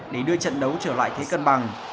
để đưa trận đấu trở lại thế cân bằng